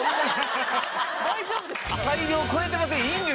裁量超えてません？